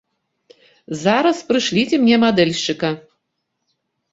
Зараз прышліце мне мадэльшчыка.